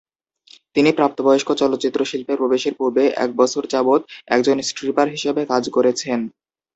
তিনি প্রাপ্তবয়স্ক চলচ্চিত্র শিল্পে প্রবেশের পূর্বে এক বছর যাবত একজন স্ট্রিপার হিসেবে কাজ করেছেন।